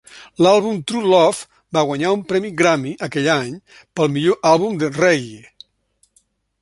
L'àlbum "True Love" va guanyar un premi Grammy aquell any pel millor àlbum de reggae.